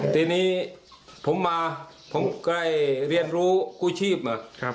ทีนี้ผมมาผมก็ได้เรียนรู้กู้ชีพมา